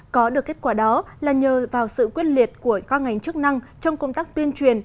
có được kết quả đó là nhờ vào sự quyết liệt của các ngành chức năng trong công tác tuyên truyền